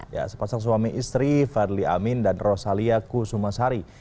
ya sepasang suami istri fadli amin dan rosalia kusumasari